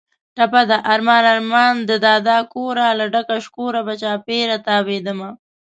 ټپه ده: ارمان ارمان دې دادا کوره، له ډکه شکوره به چاپېره تاوېدمه